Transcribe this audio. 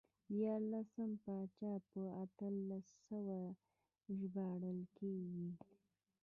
دیارلسم پاچا په اتلس سوی ژباړل کېږي.